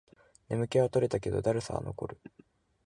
眠気は取れたけど、だるさは残る